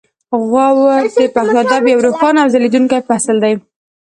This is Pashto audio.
غور د پښتو ادب یو روښانه او ځلیدونکی فصل دی